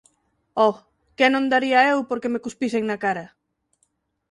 Oh, que non daría eu porque me cuspisen na cara!